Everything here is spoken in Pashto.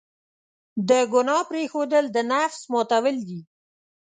د ګناه پرېښودل، د نفس ماتول دي.